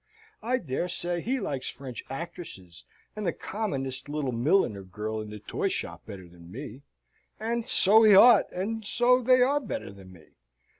I dare say he likes French actresses and the commonest little milliner girl in the toy shop better than me. And so he ought, and so they are better than me.